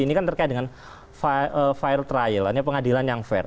ini kan terkait dengan file trial pengadilan yang fair